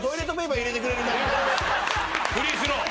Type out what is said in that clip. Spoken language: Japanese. フリースロー。